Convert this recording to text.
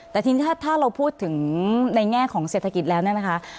แต่ทีนี้ถ้าเราพูดถึงในแง่ของเศรษฐกิจแล้วเนี่ยนะคะ